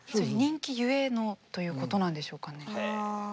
人気ゆえのということなんでしょうかね。